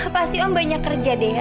pasti om banyak kerja deh ya